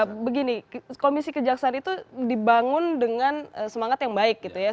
ya begini komisi kejaksaan itu dibangun dengan semangat yang baik gitu ya